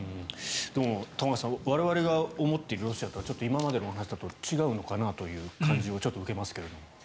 でも、玉川さん我々が思っているロシアとは今までのお話だと違うのかなという感じを受けますけど。